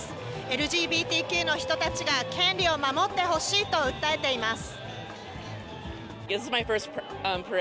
ＬＧＢＴＱの人たちが権利を守ってほしいと訴えています。